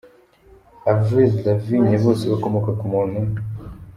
Avril Lavigne, Bose bakomoka ku muntu umwe.